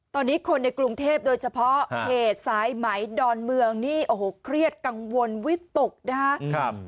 ตอนนี้คนในกรุงเทพโดยเฉพาะเพจสายไหมดอนเมืองนี่โอ้โหเครียดกังวลวิตกนะครับ